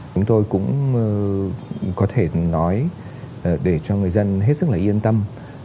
chúng tôi cũng có thể nói để cho người dân hết sức là yên tâm